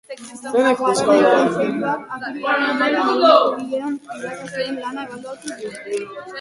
Gobernu Kontseiluak, apirilaren hamabian egindako bileran, irakasleen lana ebaluatu du.